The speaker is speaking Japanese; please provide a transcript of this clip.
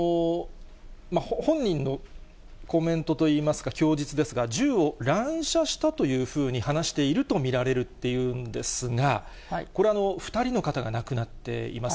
本人のコメントといいますか、供述ですが、銃を乱射したというふうに話していると見られるっていうんですが、これ、２人の方が亡くなっています。